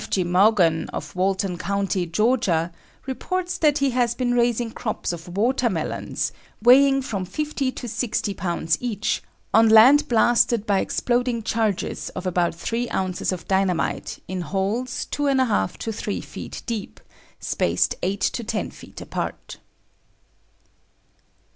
F. G. Moughon, of Walton County, Georgia, reports that he has been raising crops of watermelons, weighing from 50 to 60 pounds each, on land blasted by exploding charges of about 3 ounces of dynamite in holes 2 1/2 to 3 feet deep, spaced 8 to 10 feet apart.